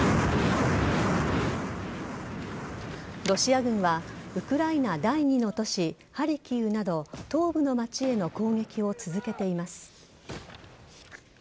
ロシア軍はウクライナ第２の都市ハリキウなど東部の町への攻撃を続けています。